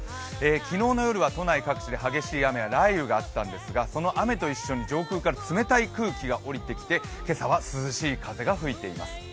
昨日夜は都内各地で激しい雨や雷雨があったんですがその雨と一緒に上空から冷たい空気が下りてきて、今朝は涼しい風が吹いています。